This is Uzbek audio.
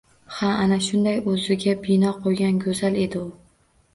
Ha, ana shunday o‘ziga bino qo'ygan go‘zal edi u!